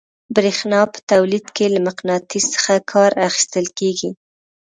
برېښنا په تولید کې له مقناطیس څخه کار اخیستل کیږي.